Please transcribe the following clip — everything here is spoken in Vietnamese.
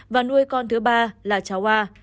và nuôi con thứ ba là cháu a